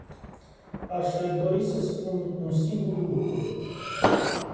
Aș dori să spun un singur lucru.